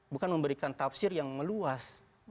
bukan memberikan tafsir yang meluas